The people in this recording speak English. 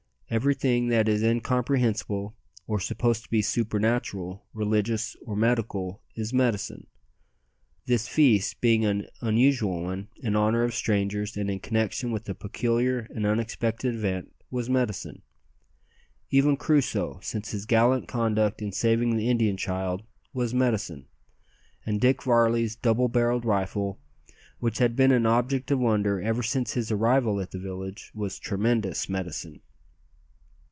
Everything that is incomprehensible, or supposed to be supernatural, religious, or medical, is "medicine." This feast, being an unusual one, in honour of strangers, and in connection with a peculiar and unexpected event, was "medicine." Even Crusoe, since his gallant conduct in saving the Indian child, was "medicine;" and Dick Varley's double barrelled rifle, which had been an object of wonder ever since his arrival at the village, was tremendous "medicine!"